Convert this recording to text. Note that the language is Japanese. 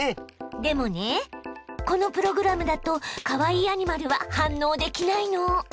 でもねこのプログラムだとカワイイアニマルは反応できないの。